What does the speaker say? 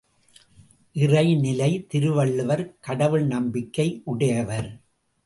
இறைநிலை திருவள்ளுவர் கடவுள் நம்பிக்கை உடையவர்.